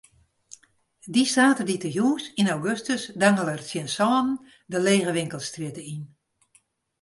Dy saterdeitejûns yn augustus dangele er tsjin sânen de lege winkelstrjitte yn.